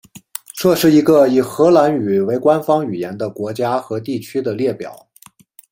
这是一个以荷兰语为官方语言的国家和地区的列表。